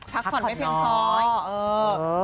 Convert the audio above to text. พักผ่อนไม่เพียงพอ